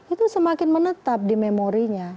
itu semakin menetap di memorinya